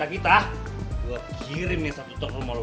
kalo kita kita gue kirim nih satu tok lo ke rumah lo